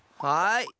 はい。